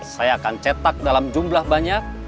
saya akan cetak dalam jumlah banyak